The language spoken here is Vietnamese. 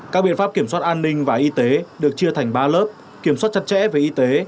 các biện pháp kiểm soát an ninh và y tế được chia thành ba lớp kiểm soát chặt chẽ với y tế